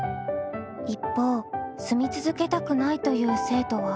一方住み続けたくないという生徒は？